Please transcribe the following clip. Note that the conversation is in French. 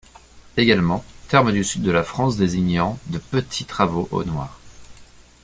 Également, terme du sud de la France désignant de petits travaux au noir.